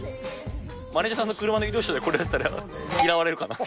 マネージャーさんの移動車でこれやってたら、嫌われるかな。